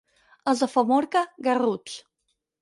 Els de Famorca, garruts.